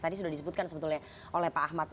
tadi sudah disebutkan sebetulnya oleh pak ahmad